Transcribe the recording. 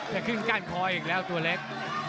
จะขึ้นก้านคออีกแล้วตัวเล็ก